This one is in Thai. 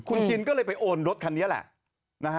คุณจินก็เลยไปโอนรถคันนี้แหละนะฮะ